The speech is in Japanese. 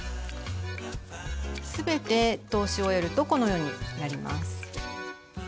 全て通し終えるとこのようになります。